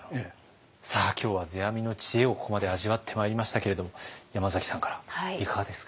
さあ今日は世阿弥の知恵をここまで味わってまいりましたけれども山崎さんからいかがですか？